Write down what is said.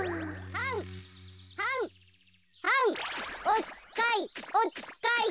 おつかいおつかい。